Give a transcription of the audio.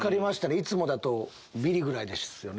いつもだとビリぐらいですよね。